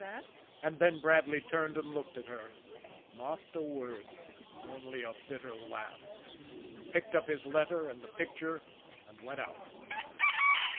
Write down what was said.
And then Bradley turned and looked at her not a word only a bitter laugh and picked up his letter and the picture and went out.